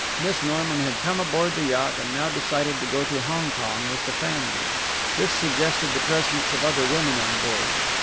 Miss Norman had come aboard the yacht, and now decided to go to Hong Kong with the family. This suggested the presence of other women on board.